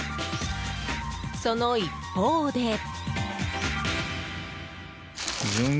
その一方で。